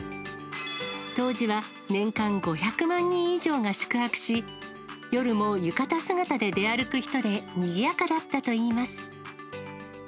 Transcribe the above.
当時は年間５００万人以上が宿泊し、夜も浴衣姿で出歩く人でにぎやかだったといいます。